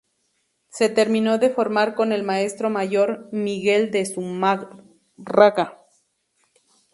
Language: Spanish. Se terminó de formar con el maestro mayor, Miguel de Zumárraga.